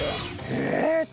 えっ！